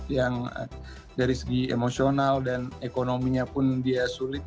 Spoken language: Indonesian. yang dari segi emosional dan ekonominya pun dia sulit